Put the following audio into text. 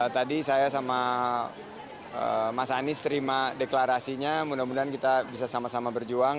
tadi saya sama mas anies terima deklarasinya mudah mudahan kita bisa sama sama berjuang